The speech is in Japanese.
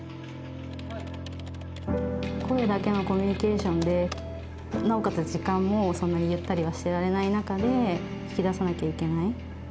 声だけのコミュニケーションでなおかつ時間もそんなにゆったりはしてられない中で引き出さなきゃいけない。